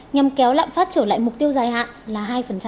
nhằm kéo lạm phát trở lại mục tiêu dài hạn là hai